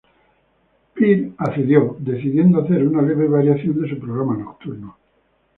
Paar accedió, decidiendo hacer una leve variación de su programa nocturno.